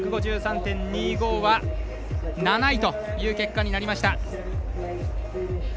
１５３．２５は７位という結果になりました。